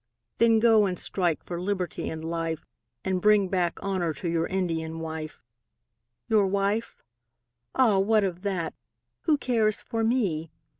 Then go and strike for liberty and life, And bring back honour to your Indian wife. Your wife? Ah, what of that, who cares for me?